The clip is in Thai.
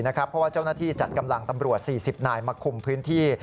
เพราะว่าเจ้าหน้าที่จัดกำลังตำรวจ๔๐นายมาคุมพื้นที่